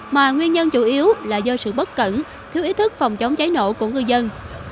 mà nguyên nhân chủ yếu là do sự bất cẩn thiếu ý thức phòng chống cháy nổ của ngư dân